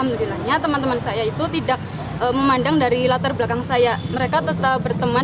mudahnya teman teman saya itu tidak memandang dari latar belakang saya mereka tetap berteman